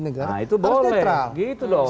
negara harus netral nah itu boleh